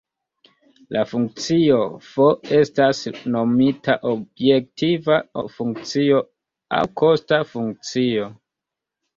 La funkcio "f" estas nomita objektiva funkcio, aŭ kosta funkcio.